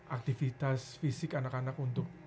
aktivitas fisik anak anak untuk